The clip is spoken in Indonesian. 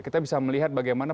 kita bisa melihat bagaimana